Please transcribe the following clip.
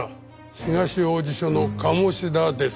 東王子署の鴨志田です。